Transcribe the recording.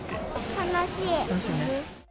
楽しい。